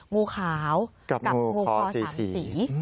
งูขาวกับงูคอ๓สี